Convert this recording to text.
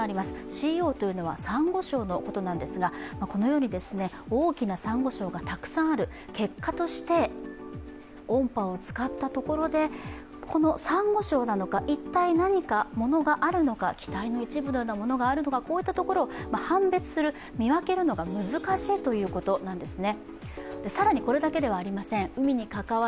Ｃｏというのはさんご礁のことなんですがこのように大きなさんご礁がたくさんある、結果として、音波を使ったところでさんご礁なのか、一体何か物があるのか、機体の一部のような物があるのかこういったところを判別する見分けるのが難しいということなんですね。